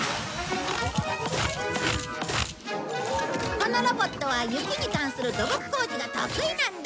このロボットは雪に関する土木工事が得意なんだ。